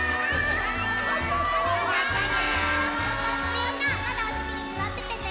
みんなまだおせきにすわっててね。